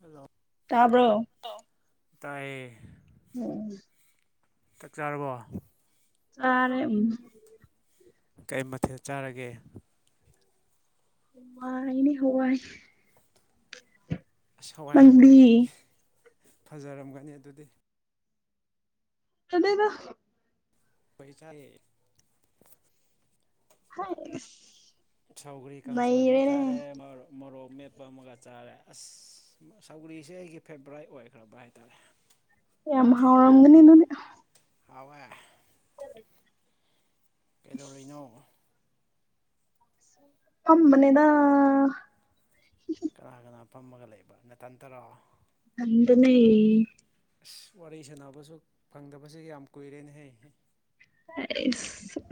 Hello. ꯇꯥꯕ꯭ꯔꯣ꯫ ꯇꯥꯏꯌꯦ꯫ ꯎꯝ꯫ ꯆꯥꯛ ꯆꯥꯔꯕꯣ꯫ ꯆꯥꯔꯦ ꯎꯝ꯫ ꯀꯩ ꯃꯊꯦꯜ ꯆꯥꯔꯒꯦ꯫ ꯍꯆꯥꯏꯅꯤ ꯍꯋꯥꯏ꯫ ꯑꯁ ꯅꯪꯗꯤ ꯍꯋꯥꯏꯔꯝꯒꯅꯤ ꯑꯗꯨꯗꯤ ꯐꯖꯔꯝꯒꯅꯤ ꯑꯗꯨꯗꯤ꯫ ꯆꯗꯦꯗ꯫ ꯄꯩꯁꯥꯍꯦ꯫ ꯍꯥꯏ꯫ ꯁꯧꯒ꯭ꯔꯤ ꯀꯥꯡꯁꯣꯏ ꯑꯃꯆꯥꯔꯦ ꯃꯃꯣꯔꯣꯛ꯫ ꯃꯦꯠꯄ ꯑꯃꯒ ꯆꯥꯔꯦ ꯑꯁ ꯁꯧꯒꯔꯤꯁꯦ ꯑꯩꯒꯤ ꯐꯦꯕꯥꯔꯥꯏꯠ ꯑꯣꯏꯈ꯭ꯔꯕ ꯍꯥꯏꯇꯥꯔꯦ꯫ ꯑꯦ ꯍꯥꯎꯔꯝꯅꯤꯅ ꯑꯋꯥ ꯐ ꯀꯩꯗꯧꯔꯤꯅꯣ ꯑꯃꯅꯦꯗ ꯀꯅꯥ ꯀꯅꯥ ꯐꯝꯃꯒ ꯂꯩꯕ ꯅ ꯇꯟ ꯇꯔꯥ ꯅꯗꯅꯦ ꯑꯁ ꯋꯥꯔꯤ ꯁꯥꯟꯅꯕꯁꯨ ꯐꯪꯗꯕꯁꯤ ꯌꯥꯝ ꯀꯨꯏꯔꯦꯅ ꯍ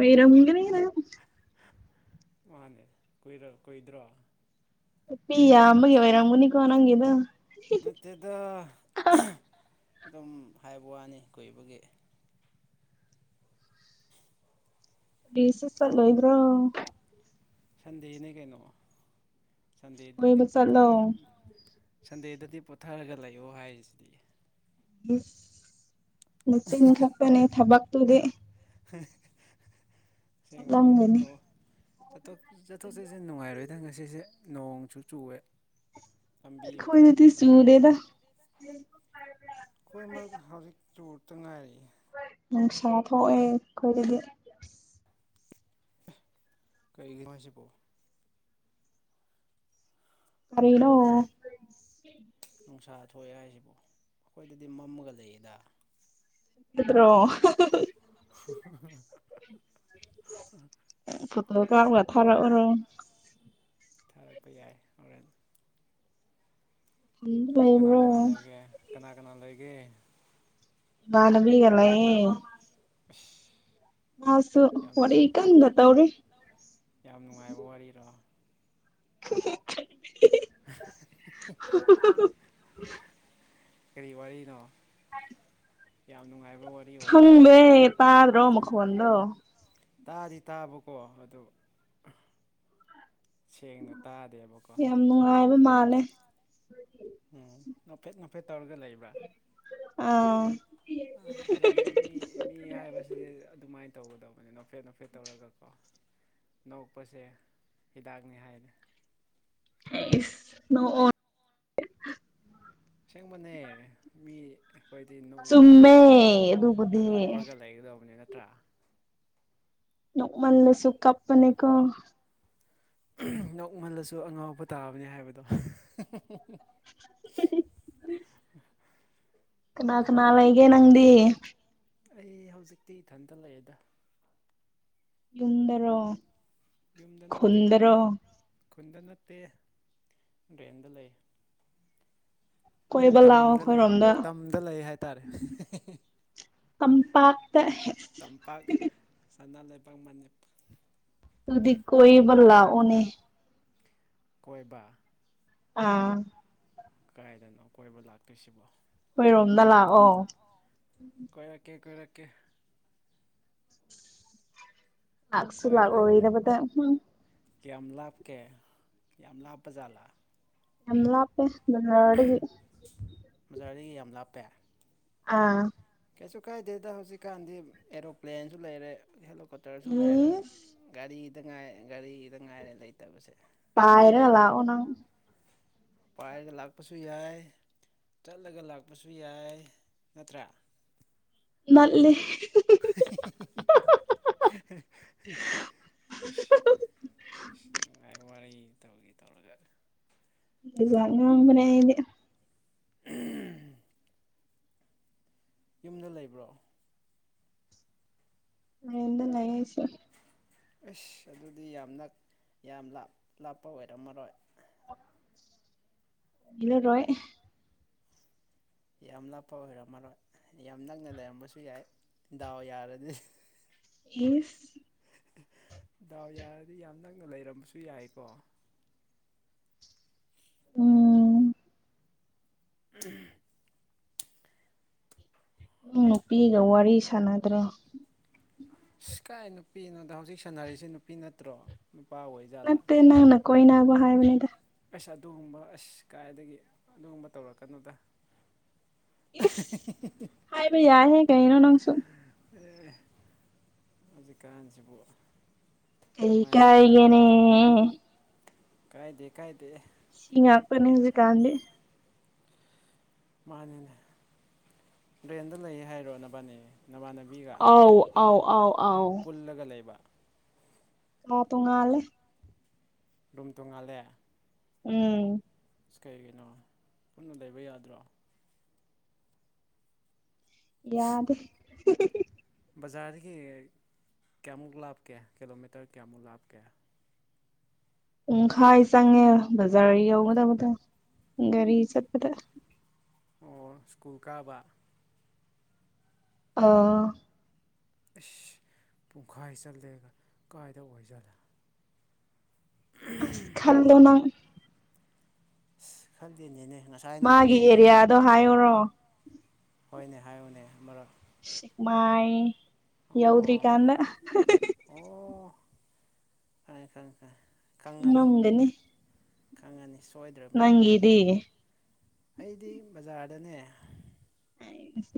ꯑꯣꯏꯔꯒꯅꯤꯔ ꯃꯥꯅꯦ ꯀꯣꯏꯔ ꯀꯣꯏꯗ꯭ꯔꯣ ꯄꯤ ꯌꯥ ꯑꯃꯒꯤ ꯑꯣꯏꯔꯝꯒꯅꯤꯀꯣ ꯅꯪꯒꯤꯗꯣ ꯅꯠꯇꯦꯗ ꯑꯗꯨꯝ ꯍꯥꯏꯕ ꯋꯥꯅꯤ ꯀꯨꯏꯕꯒꯤ ꯦꯁ ꯆꯂꯣ ꯏꯕ꯭ꯔꯣ ꯁꯟꯗꯦꯅꯦ ꯀꯩꯅꯣ ꯁꯟꯗꯦꯗꯨꯗꯤ ꯀꯣꯏꯕ ꯆꯠꯂꯣ ꯄꯣꯊꯥꯔꯒ ꯁꯟꯗꯦꯗꯗꯤ ꯄꯣꯊꯔꯒ ꯂꯩꯌꯑꯣ ꯍꯥꯏꯔꯤꯁꯤꯗꯤ ꯅꯆ ꯏ ꯈꯥꯛꯄꯅꯦ ꯊꯕꯥꯛ ꯇꯨꯗꯦ ꯑꯁꯦꯡꯕꯅꯦ ꯆꯠꯂꯝꯒꯅꯤ ꯆꯠꯊꯣꯛ ꯆꯠꯁꯤꯟ ꯅꯨꯡꯉꯥꯏꯔꯣꯏ ꯍꯗꯪ ꯉꯁꯤꯁꯦ ꯅꯣꯡꯁꯨ ꯆꯨꯑꯦ ꯂꯝꯕꯤ ꯂꯝꯕꯤ ꯑꯩꯈꯣꯏꯗꯗꯤ ꯃꯇꯁꯤꯒ ꯆꯨꯗꯦꯗ ꯑꯩꯈꯣꯏ ꯃꯔꯛ ꯍꯧꯖꯤꯛ ꯇꯨꯔꯇ ꯉꯥꯏꯔꯤ ꯅꯨꯡꯁꯥ ꯊꯣꯛꯑꯦ ꯀꯣꯏꯔꯗꯤ ꯀꯩꯒꯤ ꯃꯥꯁꯤ ꯄꯣ ꯀꯅꯣ ꯅꯨꯡꯁꯥ ꯊꯣꯛꯑꯦ ꯍꯥꯏꯁꯤꯕꯨ ꯑꯩꯈꯣꯏꯗꯗꯤ ꯃꯝꯃꯒ ꯂꯩꯌꯦꯗ ꯑꯗꯨꯗ꯭ꯔꯣ [inaudible] ꯐꯇꯣ ꯇ ꯊꯥꯔ ꯑꯣꯏꯔꯣ ꯊꯔꯛꯄ ꯌꯥꯥꯏꯔꯦꯟ ꯕꯣ ꯀꯅꯥ ꯂꯩꯒꯦ ꯀꯅꯥ ꯀꯅꯥ ꯂꯩꯒꯦ ꯃꯥꯅꯦꯃꯤꯂꯤꯒꯂꯑꯦ ꯑ ꯍꯁꯨ ꯑꯣꯔꯤ ꯏ ꯀꯥꯟꯗꯠꯇꯔꯤ ꯌꯥꯝ ꯅꯨꯡꯉꯥꯏꯕ ꯋꯥꯔꯤꯔꯣ [inaudible] ꯀꯔꯤ ꯋꯥꯔꯤꯅꯣ ꯑ ꯌꯥ ꯌꯥꯝꯅꯨꯡꯉꯥꯏ ꯍꯪꯕꯦ ꯄꯗ꯭ꯔꯣ ꯃꯈꯒꯗ ꯇꯥꯗꯤ ꯇꯥꯕꯀꯣ ꯑꯗꯨ ꯁꯦꯡꯅ ꯇꯥꯗꯦꯕꯀꯣ ꯅꯦ ꯎꯝ ꯉꯐꯦꯠ ꯉꯐꯦꯠ ꯇꯧꯔꯒ ꯂꯩꯕ꯭ꯔꯥ ꯑꯥ ꯑ ꯑꯗꯨꯅꯦ ꯃꯤ ꯃꯤ ꯍꯥꯏꯕꯁꯤꯗꯤ ꯑꯗꯨꯃꯥꯏꯅ ꯇꯧꯒꯗꯧꯕꯅꯦ ꯅꯣꯐꯦꯠ ꯅꯣꯐꯦꯠ ꯇꯧꯔꯒꯀꯣ ꯅꯣꯛꯄꯁꯦ ꯍꯤꯗꯥꯛꯅꯤ ꯍꯥꯏꯔꯤꯦ ꯏꯁ ꯑꯁꯦꯡꯕꯅꯦ ꯃꯤ ꯑꯩꯈꯣꯏꯗꯤ ꯅꯣꯛꯑꯒ ꯆꯨꯝꯃꯦ ꯍꯔꯥꯎꯔꯒ ꯑꯗꯨꯕꯨꯗꯤ ꯍꯅ ꯑꯣꯔꯒꯂ ꯌꯦꯗꯣꯅꯤ ꯅꯠꯇ꯭ꯔ ꯅꯃꯜꯂꯁꯨꯨ ꯀꯞꯄꯅꯦꯀꯣ ꯅꯣꯛꯃꯜꯂꯁꯨ ꯑꯉꯥꯎꯕ ꯇꯥꯕꯅꯤ ꯍꯥꯏꯕꯗꯣ [unintelligible] ꯅꯥꯀ ꯅꯂꯩꯒꯦ ꯅꯪꯗꯤ ꯑꯩ ꯍꯧꯖꯤꯛꯇꯤ ꯏꯊꯟꯇ ꯂꯩꯑꯦꯗ ꯌꯗꯔꯣ ꯌꯨꯝꯗ ꯅꯠꯇꯦ ꯈꯨꯟꯗ ꯅꯠꯇꯦ ꯑꯠꯇꯦ ꯗ꯭ꯔꯦꯟꯗ ꯂꯩ ꯀꯣꯏꯕ ꯂꯥꯛꯑꯣ ꯇꯝꯗ ꯂꯩ ꯑꯩꯈꯣꯏꯔꯣꯝꯗ ꯇꯝꯗ ꯂꯩ ꯍꯥꯏ ꯇꯔꯦ ꯀꯝꯄꯥꯛꯇ ꯁꯅꯥꯕꯥꯛ ꯃꯅꯤ ꯇꯗꯤ ꯀꯣꯏ ꯃꯥ ꯑꯣꯅꯤ ꯀꯣꯏꯕ ꯑꯥ ꯀꯥꯏꯗꯅꯣ ꯀꯣꯏꯕ ꯂꯥꯛꯇꯣꯏꯁꯤꯕꯣ ꯑꯩꯣꯏꯔꯣꯝꯗ ꯂꯥꯛꯑꯣ ꯑꯣ ꯂꯥꯛꯁꯨ ꯂꯥꯛꯣ ꯏꯅꯦꯕ ꯌꯥꯝ ꯂꯥꯞꯀꯦ ꯌꯥꯝ ꯂꯥꯞꯄ ꯖꯥꯠꯂꯥ ꯌꯥꯝꯂꯄꯦ ꯉꯔꯒꯤ ꯕꯖꯥꯔꯗꯒꯤ ꯌꯥꯝ ꯂꯥꯞꯄꯦ ꯑꯥ ꯀꯩꯁꯨ ꯀꯥꯏꯗꯦꯗ ꯍꯧꯖꯤꯛꯀꯥꯟꯗꯤ ꯑꯦꯔꯣꯄ꯭ꯂꯦꯟꯁꯨ ꯂꯩꯔꯦ ꯍꯦꯜꯂ ꯀꯣꯇꯔꯁꯨ ꯂꯩꯔꯦ ꯏꯁ ꯒꯥꯔꯤꯗ ꯉꯥꯏ ꯒꯥꯔꯤ ꯁꯤꯗ ꯉꯥꯏꯔꯦ ꯂꯩꯇꯕꯁꯦ ꯂꯣꯏ ꯄꯥꯏꯔꯒ ꯂꯩꯔꯦ ꯂꯥꯛꯑꯣ ꯅꯪ ꯄꯥꯏꯔꯒ ꯂꯥꯛꯄꯁꯨ ꯌꯥꯏ ꯆꯠꯂꯒ ꯂꯥꯛꯄꯁꯨ ꯌꯥꯏ ꯅꯠꯇ꯭ꯔꯥ ꯃꯦ [inaudible] ꯏꯥꯏ ꯋꯥꯔꯤ ꯇꯧꯈꯤ ꯇꯧꯔꯒ ꯉ ꯃꯅꯦꯗꯤ ꯌꯨꯝꯗ ꯂꯩꯕ꯭ꯔꯣ ꯅ ꯅꯌꯦꯁ ꯑꯁ ꯑꯗꯨꯗꯤ ꯌꯥꯝꯅꯛ ꯌꯥꯝ ꯂꯥꯞꯄ ꯑꯣꯏꯔꯝꯃꯔꯣꯏ ꯍꯂꯣ ꯔꯣ ꯌꯥꯝ ꯅꯥꯞꯄ ꯑꯣꯏꯔꯝꯃꯔꯣꯏ ꯌꯥꯝ ꯅꯛꯅ ꯂꯩꯔꯝꯕꯁꯨ ꯌꯥꯏ ꯗꯥꯎ ꯌꯥꯔꯗꯤ ꯏꯁ ꯗꯥꯎ ꯌꯥꯔꯗꯤ ꯌꯥꯝ ꯅꯛꯅ ꯂꯩꯔꯝꯕꯁꯨ ꯌꯥꯏꯀꯣ ꯎꯝ ꯎꯝ ꯎ ꯅꯨꯄꯤꯒ ꯋꯥꯔꯤ ꯁꯥꯟꯅꯗ꯭ꯔꯣ ꯁ ꯀꯥꯏ ꯅꯨꯄꯤꯅꯣꯗꯣ ꯍꯧꯖꯤꯛ ꯁꯥꯟꯅꯔꯤꯁ ꯅꯨꯄꯤ ꯅꯠꯇ꯭ꯔꯣ ꯅꯨꯄꯥ ꯑꯣꯏꯖꯥꯠꯂꯥ ꯀꯣꯏꯅ ꯑꯕ ꯍ ꯍꯥꯏꯦꯕꯗ ꯄꯩꯁ ꯑꯗꯨꯒꯨꯝꯕ ꯑꯁ ꯀꯥꯏꯗꯒꯤ ꯑꯗꯨꯒꯨꯝꯕ ꯇꯧꯔꯛꯀꯅꯣꯗ ꯏꯁ ꯍꯥꯏꯕ ꯌꯥꯏꯍꯦ ꯀꯩꯅꯣ ꯅꯪꯁꯨ ꯖꯤꯀꯥꯟ ꯆꯕꯨꯣꯛ ꯀꯩ ꯀꯥꯏꯒꯅꯦ ꯀꯥꯏꯗꯦ ꯀꯥꯏꯗꯦ ꯁꯤ ꯉ ꯑꯄꯅꯦꯖ ꯀꯥꯟꯗꯦ ꯃꯥꯅꯤꯅꯦ ꯕ꯭ꯔꯦꯟꯗ ꯂꯩꯌꯦ ꯍꯥꯏꯔꯣꯅꯕꯥꯅꯦ ꯑ ꯑꯥꯎ ꯑꯥꯎ ꯑ ꯄꯨꯜꯂꯒ ꯂꯩꯕ ꯀ ꯇꯣꯡꯉꯂꯦ ꯨꯝ ꯇꯣꯡꯉꯜꯂꯦ ꯎꯝ ꯑ ꯀꯩꯒꯤꯅꯣ ꯄꯨꯟꯅ ꯂꯩꯕ ꯌꯥꯗ꯭ꯔꯣ ꯌꯥꯗꯦ ꯕꯖꯥꯔꯗꯒꯤ ꯀꯌꯥꯃꯨꯛ ꯂꯥꯞꯀꯦ ꯀꯤꯂꯣꯃꯤꯇꯔ ꯀꯌꯥꯃꯨꯛ ꯂꯥꯞꯀꯦ ꯄꯨꯡꯈꯥꯏ ꯆꯪꯉꯦ ꯕꯖꯥꯔ ꯌꯧꯅꯤ ꯑ ꯒꯥꯔꯤ ꯆꯠꯄꯗ ꯑꯣ ꯁ꯭ꯀꯨꯜ ꯀꯥꯕ ꯑꯥ ꯏꯁꯁ ꯄꯨꯡꯈꯥꯏ ꯆꯠꯂꯦꯒ ꯀꯥꯏꯗ ꯑꯣꯏꯖꯠꯅ ꯑꯁ ꯈꯜꯂꯣꯅ ꯁꯤ ꯈꯥꯖꯤꯅꯦꯅꯦ ꯃꯥꯒꯤ ꯑꯦꯔꯤꯌꯥꯗꯣ ꯍꯥꯏꯌꯣ ꯍꯣꯏꯅꯦ ꯍꯥꯏꯌꯨꯅꯦ ꯃꯔꯛ ꯁꯤꯒꯃꯥꯏ ꯌꯥꯎꯗ꯭ꯔꯤ ꯑꯣ ꯀꯥꯟꯅ ꯑꯪꯀ ꯏꯪꯀ ꯎꯪꯒꯅꯤ ꯈꯪꯉꯅꯤ ꯁ ꯅꯪꯗ ꯑꯩꯗꯤ ꯕꯖꯥꯔꯗꯅꯦ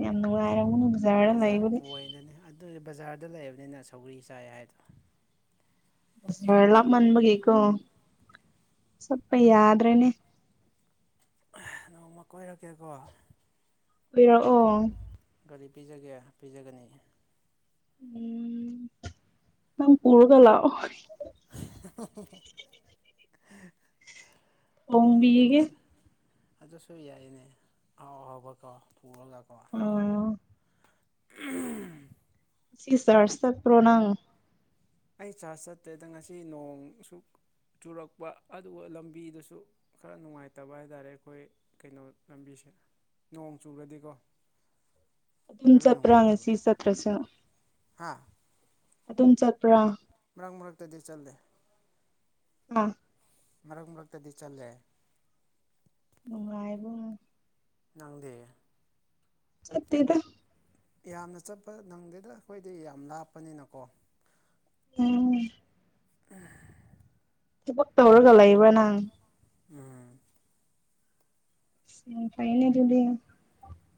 ꯌꯥꯝ ꯑꯃꯕꯨ ꯑꯔꯃꯅ ꯕꯖꯥꯔ ꯄꯅꯅꯦ ꯑꯗꯨꯗꯤ ꯕꯖꯥꯔꯗ ꯂꯩꯕꯅꯤꯅ ꯁꯧꯒꯔꯤ ꯆꯥꯏ ꯍꯥꯏꯗꯣ ꯦꯂ ꯃꯟꯕ ꯀꯦꯀꯣ ꯆꯄ ꯌꯥꯗ꯭ꯔꯦꯅꯦ ꯅꯣꯡꯃ ꯀꯣꯏꯔꯛꯀꯦꯀꯣ ꯎꯔꯛꯑꯣ ꯒꯥꯔꯤ ꯄꯤꯖꯒꯦ ꯄꯤꯖꯒꯅꯤ ꯎꯝ ꯅꯪ ꯄꯨꯔꯒ ꯂꯑꯣ ꯌꯥꯏ ꯌꯥ ꯊꯣꯡꯕꯤꯒꯦ ꯑꯗꯨꯁꯨꯦ ꯑꯗꯨꯁꯨ ꯌꯥꯏꯅꯦ ꯑꯥꯎ ꯑꯍꯥꯎꯕꯀꯣ ꯄꯨꯔꯒꯀꯣ ꯑ ꯁꯤꯁ ꯋꯥꯠꯁꯞ꯭ꯔꯣꯅꯪ ꯑꯩ ꯆꯥꯔꯖ ꯆꯠꯇ꯭ꯔꯦꯗ ꯉꯁꯤ ꯅꯣꯡ ꯁꯨꯛ ꯆꯨꯔꯛꯄ ꯑꯗꯨꯒ ꯂꯝꯕꯤꯗꯁꯨ ꯈꯔ ꯅꯨꯡꯉꯥꯏꯇꯕ ꯍꯥꯏ ꯇꯔꯦ ꯑꯩꯈꯣꯏ ꯀꯩꯅꯣ ꯂꯝꯕꯤꯁꯦ ꯅꯣꯡ ꯆꯨꯔꯗꯤꯀꯣ ꯑꯗꯨꯝ ꯈꯔ ꯆꯠꯄ꯭ꯔꯥ ꯉꯁꯤ ꯆꯠꯇ꯭ꯔꯁꯨꯦ ꯍꯥꯥ ꯑꯗꯨꯝ ꯆꯠꯄ꯭ꯔꯥ ꯃꯔꯛ ꯃꯔꯛꯇꯗꯤ ꯆꯂꯦ ꯑ ꯃꯔꯛ ꯃꯔꯛꯇꯗꯤ ꯆꯜꯂꯦ ꯅꯨꯡꯉꯥꯏꯕꯨꯡ ꯅꯪꯗꯦ ꯁꯠꯇꯗ ꯌꯥꯝꯅ ꯆꯠꯄ ꯅꯪꯗꯗ ꯑꯩꯈꯣꯏꯗꯤ ꯌꯥꯝ ꯂꯥꯞꯄꯅꯤꯅꯀꯣ ꯎꯝ ꯎ ꯊꯕꯛꯇ ꯇ ꯍꯧꯔꯒ ꯂꯩꯕ ꯅꯪ ꯎꯝ ꯎ ꯐꯩꯅꯔꯗꯤ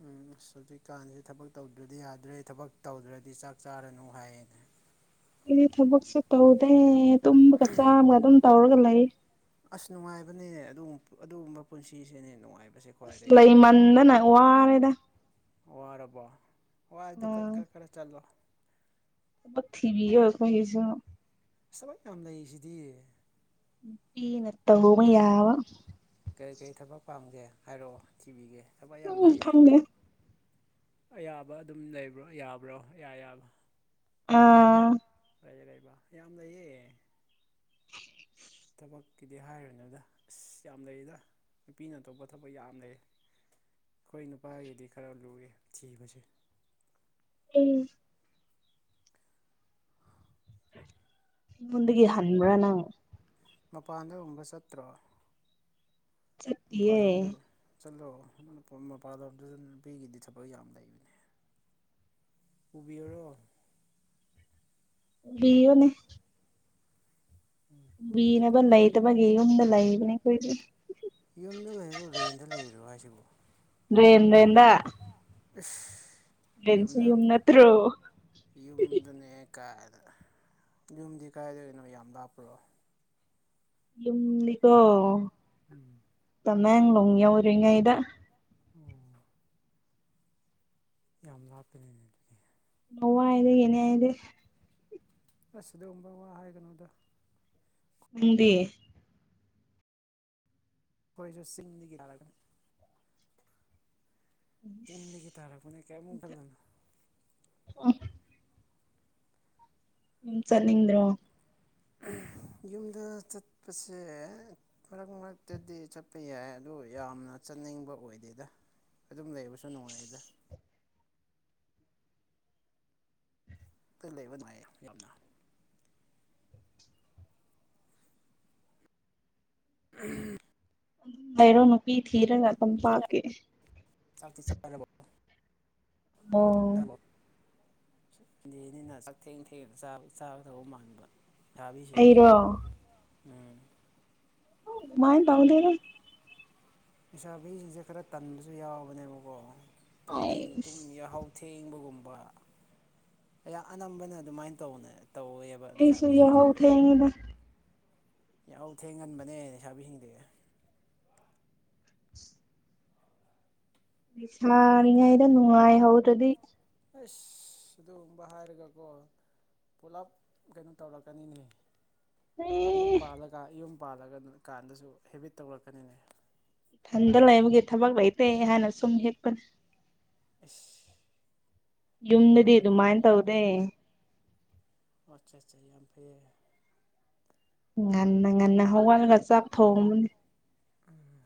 ꯎꯝ ꯑꯁ ꯍꯧꯖꯤꯛꯀꯥꯟꯁꯦ ꯊꯕꯛ ꯇꯧꯗ꯭ꯔꯗꯤ ꯌꯥꯗ꯭ꯔꯦ ꯊꯕꯛ ꯇꯧꯗ꯭ꯔꯗꯤ ꯆꯥꯛ ꯆꯥꯔꯅꯨ ꯍꯥꯏꯌꯦꯅꯦ ꯑꯩꯗꯤ ꯊꯕꯛꯁꯨ ꯇꯧꯗꯦ ꯇꯨꯝꯕꯒ ꯆꯥꯕꯥꯒ ꯑꯗꯨꯝ ꯇꯧꯔꯒ ꯂꯩꯔꯦ ꯑꯁ ꯅꯨꯡꯉꯥꯏꯕꯅꯦ ꯑꯗꯨꯒꯨꯝꯕ ꯄꯨꯟꯁꯤꯁꯦ ꯅꯨꯡꯉꯥꯏꯕ ꯑꯁ ꯂꯩꯃꯟꯗꯅ ꯋꯥꯔꯦꯗ ꯋꯥꯔꯕꯣ ꯋꯥꯗꯤ ꯈꯔ ꯈꯔ ꯆꯠꯂꯣ ꯃꯊꯤꯕꯤ ꯑꯣꯏ ꯀꯣꯏꯁꯨ ꯊꯕꯛ ꯌꯥꯝ ꯂꯩꯁꯤꯗꯤ ꯅꯨꯄꯤꯅ ꯇꯧꯕꯥ ꯌꯥꯕ ꯀꯔꯤ ꯀꯔꯤ ꯊꯕꯛ ꯄꯥꯝꯒꯦ ꯍꯥꯏꯔꯛꯑꯣ ꯊꯤꯕꯤꯒꯦ ꯊꯕꯛ ꯌꯥꯝ ꯎꯝ ꯂꯩꯌꯦ ꯈꯪꯗꯦ ꯑꯌꯥꯕ ꯑꯗꯨꯝ ꯂꯩꯕ꯭ꯔꯣ ꯌꯥꯕ꯭ꯔꯣ ꯏꯌꯥ ꯌꯥꯕꯔꯣ ꯑꯥ ꯀꯩ ꯂꯩꯕ ꯌꯥꯝ ꯂꯩꯌꯦ ꯊꯕꯛꯀꯤꯗꯤ ꯍꯥꯏꯔꯅꯨꯗ ꯑꯁ ꯌꯥꯝ ꯂꯩꯔꯤꯗ ꯅꯨꯄꯤꯅ ꯑꯇꯣꯞꯄ ꯊꯕꯛ ꯌꯥꯝ ꯂꯩꯌꯦ ꯑꯩꯈꯣꯏ ꯅꯨꯄꯥꯒꯤꯗꯤ ꯈꯔ ꯂꯨꯌꯦ ꯊꯤꯕꯁꯦ ꯎꯝ ꯑꯩꯉꯣꯟꯗꯥ ꯒꯤ ꯍꯟꯕꯔꯥ ꯅꯪ ꯃꯄꯥꯟꯗꯒꯨꯝꯕ ꯆꯠꯇ꯭ꯔꯣ ꯆꯠꯇꯤꯌꯦ ꯃꯄꯥꯟꯂꯣꯝꯗ ꯆꯠꯂꯣ ꯃꯄꯥꯟ ꯂꯝꯗ ꯅꯨꯄꯤꯒꯤꯗꯤ ꯊꯕꯛ ꯌꯥꯝ ꯂꯩꯕꯅꯦ ꯄꯨꯕꯤꯌꯨꯔꯣ ꯄꯨꯕꯤꯌꯣꯅꯦ ꯄꯨꯕꯤꯒꯦ ꯄꯨꯕꯤꯅꯕ ꯄꯨꯕꯤꯒꯦ ꯂꯩꯇꯕꯒꯤ ꯌꯨꯝꯗ ꯂꯩꯏꯕꯅꯦ ꯈꯣꯏꯗꯤ ꯌꯨꯝꯗ ꯂꯩꯔꯣ ꯔꯦꯟꯗ ꯂꯩꯔꯣ ꯍꯥꯏꯁꯤꯕꯨ ꯑꯗꯨ ꯑꯦꯁ ꯂꯁꯨ ꯌꯨꯝ ꯅꯠꯇ꯭ꯔꯣ ꯌꯨꯝꯗꯅꯦ ꯀꯥꯏꯅ ꯌꯨꯝꯗꯤ ꯀꯥꯏꯗꯅꯣ ꯌꯥꯝ ꯂꯥꯞꯄ꯭ꯔꯣ ꯌꯨꯝꯗꯤꯀꯣ ꯎꯝ ꯇꯃꯦꯡꯂꯣꯡ ꯌꯥꯎꯗꯔ꯭ꯤꯉꯩꯗ ꯎꯝ ꯌꯥꯝ ꯂꯞꯄꯦꯅꯦ ꯂꯥꯋꯥꯏ ꯗꯒꯤꯅꯦ ꯑꯩꯗꯤ ꯑꯁ ꯑꯗꯨꯒꯨꯝꯕ ꯋꯥ ꯍꯥꯏꯒꯅꯣꯗ ꯅꯪꯗꯤ ꯑꯩꯈꯣꯏꯁꯨ ꯆꯤꯡꯗꯤ ꯌꯥꯔꯒꯅꯤ ꯆꯤꯡꯗꯒꯤ ꯇꯥꯔꯛꯄꯥꯅꯦ ꯀꯌꯥꯃ ꯀꯗꯣ ꯑꯣ ꯌꯨꯝ ꯆꯠꯅꯤꯡꯗ꯭ꯔꯣ ꯌꯨꯝꯗ ꯆꯠꯄꯁꯦ ꯃꯔꯛ ꯃꯔꯛꯇꯗꯤ ꯆꯠꯄ ꯌꯥꯏ ꯑꯗꯨ ꯑꯗꯨ ꯌꯥꯝꯅ ꯆꯠꯅꯤꯡꯕ ꯑꯣꯏꯗꯦꯗ ꯑꯗꯨꯝ ꯂꯩꯕꯁꯨ ꯅꯨꯡꯉꯥꯏꯗ ꯇ ꯂꯩꯕ ꯅꯨꯡꯉꯥꯏꯌꯦ ꯌꯨꯝꯗ ꯎꯝ ꯂꯩꯔꯣ ꯅꯨꯄꯤ ꯊꯤꯔꯒ ꯑꯗꯨꯝ ꯄꯥꯛꯀꯤ ꯐꯔꯦ ꯑꯣ ꯑꯗꯨꯅꯤꯅ ꯆꯥꯛꯊꯦꯡ ꯊꯦꯡꯅ ꯆ ꯆꯥꯒꯥꯗꯧꯕ ꯃꯟꯕ ꯊꯥꯕꯤꯁꯤꯡꯁꯦ ꯑꯩꯔꯣ ꯃꯥꯏ ꯇꯧꯗꯦꯗꯥ ꯂꯩꯁꯥꯕꯤꯁꯤꯡꯁꯦ ꯈꯔ ꯇꯟꯕꯁꯨ ꯌꯥꯎꯕꯅꯦꯕꯀꯣ ꯇꯨꯝ ꯑꯩꯁ ꯌꯥꯍꯥꯎ ꯊꯦꯡꯕꯒꯨꯝ ꯑꯩ ꯑꯅꯝꯕꯅ ꯑꯗꯨꯃꯥꯏꯅ ꯇꯧꯕꯅꯦ ꯑꯁꯨ ꯍ ꯊ ꯑꯗ ꯌꯥꯎ ꯊꯦꯡꯍꯟꯕꯅꯦ ꯂꯩꯁꯥꯕꯤꯁꯤꯡꯗꯨ [unintelligible] ꯑꯩꯈꯣꯏꯗꯤ ꯁꯥꯥꯔꯤꯉꯥꯏꯗ ꯅꯨꯡꯉꯥꯏꯍꯧ ꯑꯗꯨꯗꯤ ꯑꯁ ꯑꯗꯨꯒꯨꯝꯕ ꯍꯥꯏꯔꯒꯀꯣ ꯄꯨꯂꯞ ꯀꯩꯅꯣ ꯇꯧꯔꯛꯀꯅꯤꯅꯦ ꯑꯦ ꯌꯨꯝ ꯄꯥꯜꯂ ꯌꯨꯝ ꯄꯥꯜꯂꯒ ꯀꯥꯟꯗꯁꯨ ꯍꯦꯕꯤꯠ ꯇꯧꯔꯛꯀꯅꯤꯅꯦ ꯏꯊꯟꯗ ꯂꯩꯕꯒꯤ ꯊꯕꯛ ꯂꯩꯇꯦ ꯍꯥꯟꯅ ꯁꯨꯝ ꯍꯤꯦꯛꯄꯅꯦ ꯏꯁ ꯌꯨꯝꯗꯗꯤ ꯑꯗꯨꯃꯥꯏꯅ ꯇꯧꯗꯦ ꯑꯆꯥ ꯑꯆꯥ ꯑ ꯐ ꯉꯟꯅ ꯉꯟꯅ ꯍꯧꯒꯠꯂꯒ ꯆꯥꯛ ꯊꯣꯡꯕꯅꯤ ꯎꯝ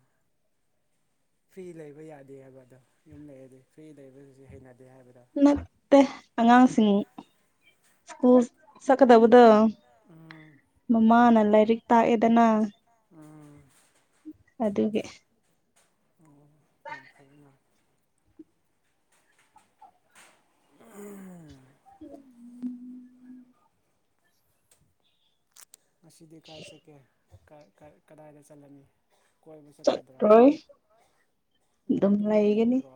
ꯐ꯭ꯔꯤ ꯂꯩꯕ ꯌꯥꯗꯦ ꯍꯥꯏꯕ ꯑꯗꯣ ꯌꯨꯝ ꯂꯩꯔꯗꯤ ꯐ꯭ꯔꯤ ꯂꯩꯕꯗꯨꯁꯨ ꯍꯩꯅꯗꯦ ꯍꯥꯏꯕꯗꯣ ꯅꯠꯇꯦ ꯑꯉꯥꯡꯁꯤꯡ ꯁ꯭ꯀꯨꯜ ꯁꯛꯀꯗꯕꯗ ꯎꯝ ꯃꯃꯥꯅ ꯂꯥꯏꯔꯤꯛ ꯇꯥꯛꯑꯦꯗꯅ ꯎꯝ ꯑꯗꯨꯒꯤ ꯑꯣ ꯌꯥꯝ ꯐꯩ ꯃꯥ [unintelligible] ꯑꯁꯤꯗꯤ ꯀꯗꯥꯥꯏ ꯆꯠꯒꯦ ꯀꯗꯥꯏꯗ ꯆꯠꯂꯅꯤ ꯀꯣꯏꯕ ꯆꯠꯀꯗ꯭ꯔꯥ ꯆꯠꯔꯣꯏ ꯑꯗꯨꯝ ꯇꯨꯝꯃꯒ ꯂꯩ ꯍꯥꯏꯒꯗ꯭ꯔꯣ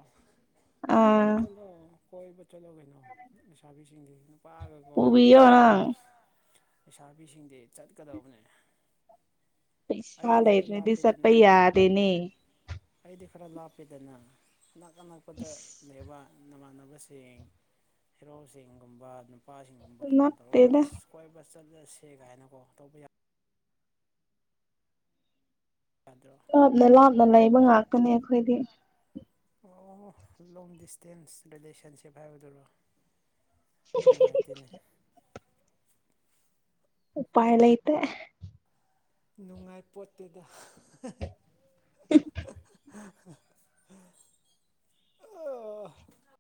ꯑꯥ ꯆꯂꯣ ꯀꯣꯏꯕ ꯆꯠꯂꯣ ꯀꯩꯅꯣ ꯂꯩꯁꯥꯕꯤꯁꯤꯡꯁꯤ ꯅꯨꯄꯥꯒꯀ ꯐꯣꯟ ꯄꯨꯕꯤꯌꯣ ꯇꯧꯔꯒ ꯅꯪ ꯂꯩꯁꯥꯕꯤꯁꯤꯡꯗꯤ ꯆꯠꯀꯗꯕꯅꯦ ꯄꯩꯁꯂ ꯑꯩꯗꯤ ꯈꯔ ꯂꯩꯗꯦ ꯂꯥꯞꯄꯦꯗꯅ ꯗꯤꯁꯠꯄꯌꯥꯗꯦꯅꯦ ꯑꯩꯗꯤ ꯈꯔ ꯂꯥꯞꯄꯤꯦꯗꯅ ꯑꯅꯛ ꯑꯅꯛꯄꯗ ꯏꯁ ꯂꯩꯕ ꯅꯃꯥꯟꯅꯕꯁꯤꯡ ꯍꯤꯔꯣꯁꯤꯡꯒꯨꯝꯕ ꯅꯨꯄꯥꯁꯤꯡꯒꯨꯝꯕ ꯐꯣꯟ ꯇꯧꯔꯒ ꯅꯠꯇꯦꯗ ꯑꯁ ꯀꯣꯏꯕ ꯆꯠꯂꯁꯦ ꯀꯥꯏꯅꯀꯣ ꯇꯧꯕ ꯌꯥ ꯌꯥꯗ꯭ꯔꯣ ꯂꯥꯞꯅ ꯂꯥꯞꯅ ꯂꯩꯕ ꯉꯥꯛꯇꯅꯦ ꯑꯩꯈꯣꯏꯗꯤ ꯑꯣ ꯂꯣꯡ ꯗꯤꯁꯇꯦꯟꯁ ꯔꯤꯂꯦꯁꯟꯁꯤꯞ ꯍꯥꯏꯕꯗꯨꯔꯣ ꯅꯨꯡꯉꯥꯏꯇꯅꯦ ꯎꯄꯥꯥꯏꯂꯩꯇ ꯅꯨꯡꯉꯥꯏ ꯄꯣꯠꯇꯦꯗ [unintelligible] ꯑꯣ